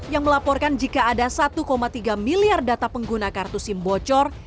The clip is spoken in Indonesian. yang melaporkan jika ada satu tiga miliar data pengguna kartu sim bocor